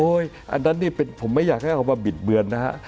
อันนั้นนี่ผมไม่อยากให้เอามาบิดเบือนนะฮะ